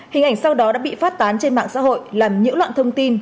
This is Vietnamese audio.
hình ảnh sau đó đã bị phát tán trên mạng xã hội làm nhiễu loạn thông tin